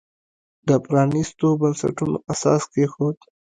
د پرانیستو بنسټونو اساس کېښود.